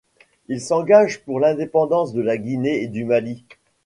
Il s’engage pour l’indépendance de la Guinée et du Mali.